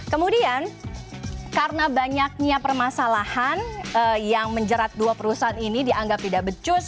kemudian karena banyaknya permasalahan yang menjerat dua perusahaan ini dianggap tidak becus